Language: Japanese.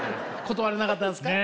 断れなかったんすか？